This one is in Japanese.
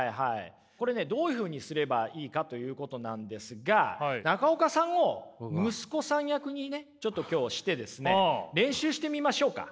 これねどういうふうにすればいいかということなんですが中岡さんを息子さん役にねちょっと今日してですね練習してみましょうか。